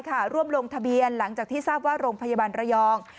ร่วมลงทะเบียนหลังจากที่ทราบว่าโรงพยาบาลระยอง